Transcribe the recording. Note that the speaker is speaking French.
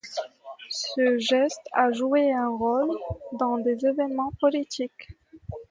Ce geste a joué un rôle dans des évènements politiques.